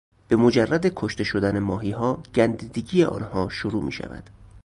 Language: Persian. به مجرد کشته شدن ماهیها گندیدگی آنها شروع میشود.